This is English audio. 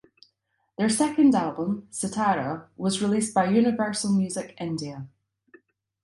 Their second album Sitara was released by Universal Music India.